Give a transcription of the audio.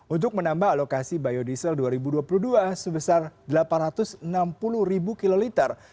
untuk menambah alokasi biodiesel dua ribu dua puluh dua sebesar delapan ratus enam puluh ribu kiloliter